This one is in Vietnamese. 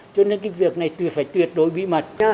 cho nên cái việc này thì phải tuyệt đối bí mật